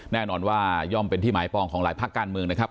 แน่นอนว่าย่อมเป็นที่หมายปองของหลายภาคการเมืองนะครับ